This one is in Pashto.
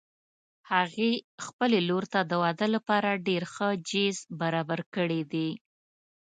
هغې خپلې لور ته د واده لپاره ډېر ښه جهیز برابر کړي دي